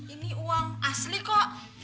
ini uang asli kok